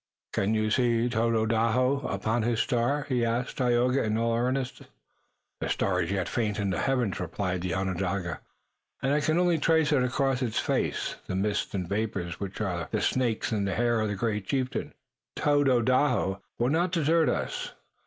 "Can you see Tododaho upon his star?" he asked Tayoga in all earnestness. "The star is yet faint in the heavens," replied the Onondaga, "and I can only trace across its face the mists and vapors which are the snakes in the hair of the great chieftain, but Tododaho will not desert us.